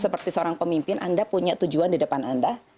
seperti seorang pemimpin anda punya tujuan di depan anda